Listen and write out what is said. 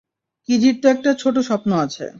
কিজির তো একটি ছোট স্বপ্ন আছে।